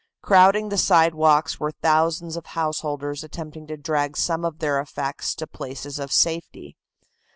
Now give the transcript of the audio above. Crowding the sidewalks were thousands of householders attempting to drag some of their effects to places of safety.